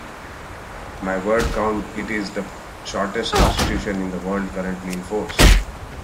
By word count, it is the shortest constitution in the world currently in force.